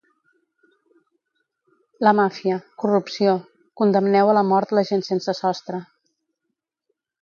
La màfia, corrupció, condemneu a la mort la gent sense sostre.